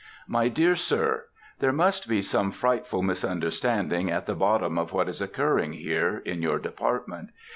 MY DEAR SIR:—There must be some frightful misunderstanding at the bottom of what is occurring here, in your department.